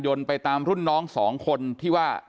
ไปตามรุ่นน้องสองคนที่ว่า